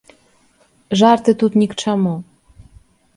Жарты тут ні к чаму!